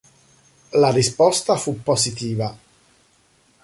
La risposta fu positiva.